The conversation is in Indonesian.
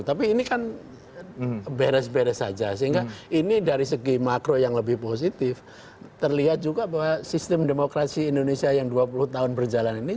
tapi ini kan beres beres saja sehingga ini dari segi makro yang lebih positif terlihat juga bahwa sistem demokrasi indonesia yang dua puluh tahun berjalan ini